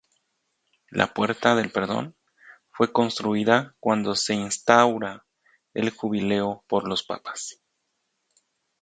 La "Puerta del perdón" fue construida cuando se instaura el jubileo por los papas.